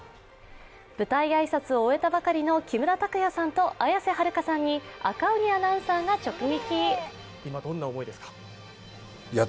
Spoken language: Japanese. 舞台挨拶を終えたばかりの木村拓哉さんと綾瀬はるかさんに赤荻アナウンサーが直撃。